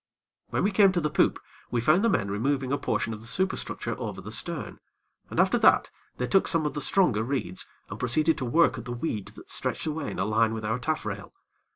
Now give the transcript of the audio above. When we came to the poop, we found the men removing a portion of the superstructure over the stern, and after that they took some of the stronger reeds, and proceeded to work at the weed that stretched away in a line with our taffrail.